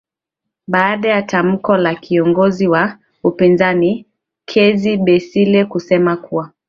baada ya tamko la kiongozi wa upinzani keze besiie kusema kuwa